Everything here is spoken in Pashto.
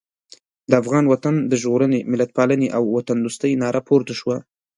د افغان وطن د ژغورنې، ملتپالنې او وطندوستۍ ناره پورته شوه.